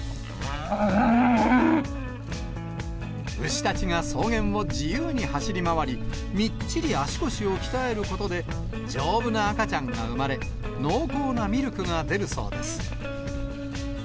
牛たちが草原を自由に走り回り、みっちり足腰を鍛えることで、丈夫な赤ちゃんが産まれ、濃厚なミルクが出るそうです。